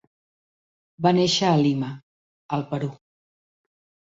Va néixer a Lima, al Perú.